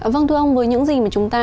vâng thưa ông với những gì mà chúng ta